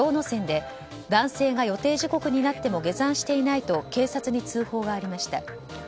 山で男性が予定時刻になっても下山していないと警察に通報がありました。